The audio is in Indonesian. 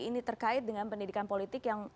ini terkait dengan pendidikan politik yang